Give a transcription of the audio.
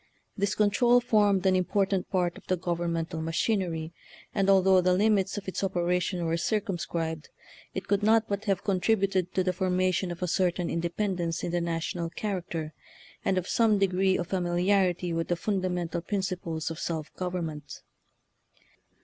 This control formed an important part of the governmental machinery, and al though the limits of its operation were circumscribed, it could not but have con tributed to the formation of a certain in dependence in the national character, and of some degree of familiarity with the fun damental principles of self government.